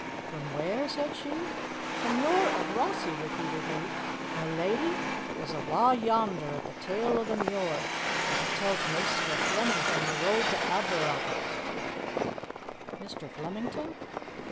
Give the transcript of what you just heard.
"From where?" said she. "The muir o' Rossie," repeated he. "Ma leddy, it was awa' yonder at the tail o' the muir that a' tell't Maister Flemington the road to Aberbrothock." "Mr. Flemington?"